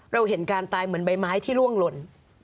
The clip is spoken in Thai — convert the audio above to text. เราเห็นการตายเหมือนใบไม้ที่ล่วงหล่น